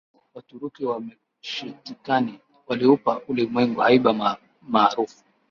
Waturuki wa Meskhetian waliupa ulimwengu haiba maarufu